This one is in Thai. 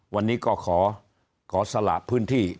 วันนี้ก็ขอสละพื้นที่